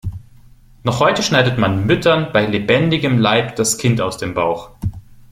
Noch heute schneidet man Müttern bei lebendigem Leib das Kind aus dem Bauch.